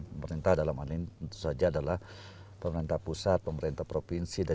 pemerintah dalam hal ini tentu saja adalah pemerintah pusat pemerintah provinsi